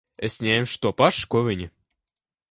Es ņemšu to pašu, ko viņa.